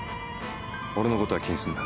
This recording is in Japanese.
おれのことは気にすんな。